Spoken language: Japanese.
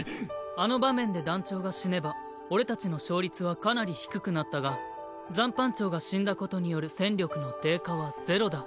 あの場面で団長が死ねば俺たちの勝率はかなり低くなったが残飯長が死んだことによる戦力の低下は０だ。